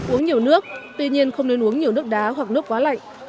uống nhiều nước tuy nhiên không nên uống nhiều nước đá hoặc nước quá lạnh